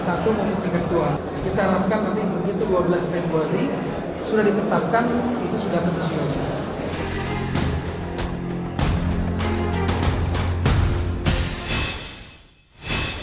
kita harapkan nanti begitu dua belas pembolri sudah ditetapkan itu sudah penyesuaian